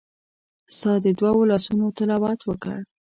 ستا د دوو لاسونو تلاوت وکړ